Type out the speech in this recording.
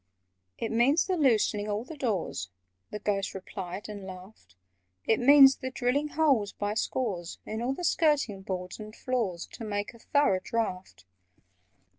[Picture: The wainscotings begin to go] "It means the loosening all the doors," The Ghost replied, and laughed: "It means the drilling holes by scores In all the skirting boards and floors, To make a thorough draught.